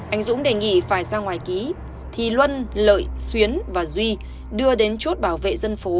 anh dũng đề nghị phải ra ngoài ký thì luân lợi xuyến và duy đưa đến chốt bảo vệ dân phố